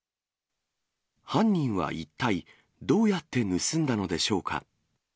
犯人は一体どうやって盗んだのでしょうか。